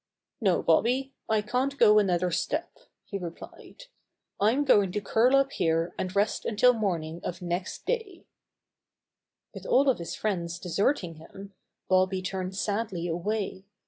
"No, Bobby, I can't go another step," he replied. "I'm going to curl up here and rest until morning of next day," With all of his friends deserting him, Bobby turned sadly away.